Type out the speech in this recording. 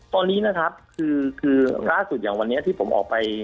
ตอนนี้นะครับคือล่าสุดอย่างวันนี้ที่ผมออกไป